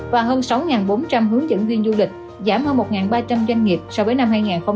và hơn sáu bốn trăm linh hướng dẫn viên du lịch giảm hơn một ba trăm linh doanh nghiệp so với năm hai nghìn một mươi tám